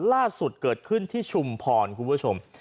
ล่าสุดเกิดขึ้นที่ชุมพรคุณผู้ชม